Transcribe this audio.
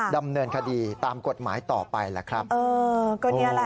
ดำเนินคดีตามกฎหมายต่อไปล่ะครับ